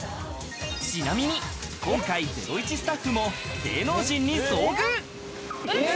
ちなみに今回も『ゼロイチ』スタッフも芸能人に遭遇。